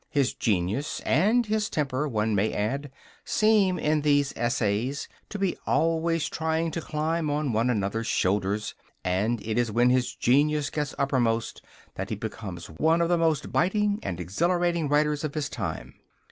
His genius and his temper, one may add, seem, in these essays, to, be always trying to climb on one another's shoulders, and it is when his genius gets uppermost that he becomes one of the most biting and exhilarating writers of his time.